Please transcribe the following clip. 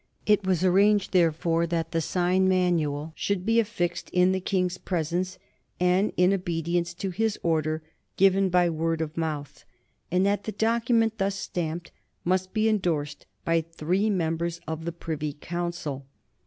It was arranged, therefore, that the sign manual should be affixed in the King's presence, and in obedience to his order given by word of mouth, and that the document thus stamped must be endorsed by three members of the Privy Council.